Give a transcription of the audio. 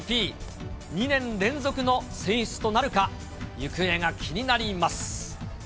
２年連続の選出となるか、行方が気になります。